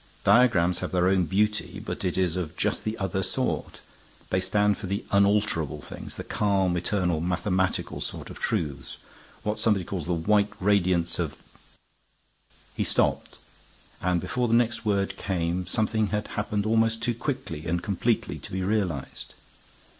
Diagrams have their own beauty; but it is of just the other sort. They stand for the unalterable things; the calm, eternal, mathematical sort of truths; what somebody calls the 'white radiance of' " He stopped, and before the next word came something had happened almost too quickly and completely to be realized.